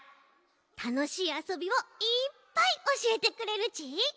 たのしいあそびをいっぱいおしえてくれるち。